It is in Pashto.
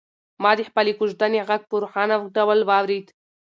ما د خپلې کوژدنې غږ په روښانه ډول واورېد.